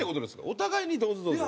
お互いに「どうぞ、どうぞ」？